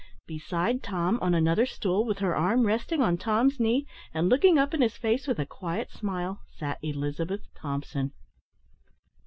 Beside Tom, on another stool, with her arm resting on Tom's knee, and looking up in his face with a quiet smile, sat Elizabeth Thompson.